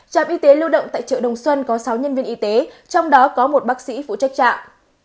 trạm y tế lưu động tại chợ đồng xuân có sáu nhân viên y tế trong đó có một bác sĩ phụ trách trạm